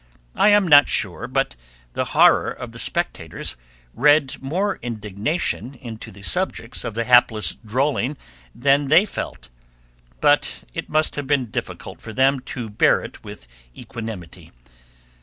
I am not sure but the horror of the spectators read more indignation into the subjects of the hapless drolling than they felt. But it must have been difficult for them to bear it with equanimity.